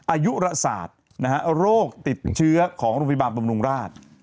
อายุราศาสตร์โรคติดเชื้อของโรฟิบาลปำรุงราช